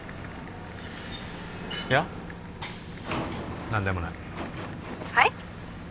いや何でもない☎はい？